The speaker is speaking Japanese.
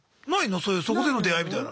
そういうそこでの出会いみたいなの。